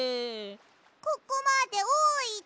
ここまでおいで！